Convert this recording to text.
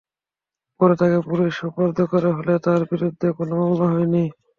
পরে তাঁকে পুলিশে সোপর্দ করা হলেও তাঁর বিরুদ্ধে কোনো মামলা হয়নি।